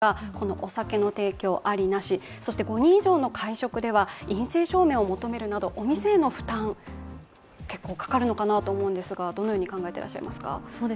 まだ案ではありますが、お酒の提供、あり・なし、５人以上の会食では陰性証明を求めるなど、お店への負担がかかると思うのですが、どのように考えていらっしゃいますか？